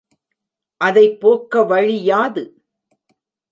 அதைப் போக்க வழி யாது?